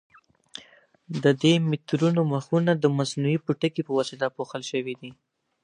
د دې مترونو مخونه د مصنوعي پوټکي په واسطه پوښل شوي دي.